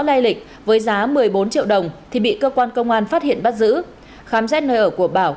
lây lịch với giá một mươi bốn triệu đồng thì bị cơ quan công an phát hiện bắt giữ khám xét nơi ở của bảo